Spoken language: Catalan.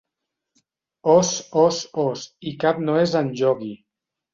Os, Os, Os i cap no és en Iogui.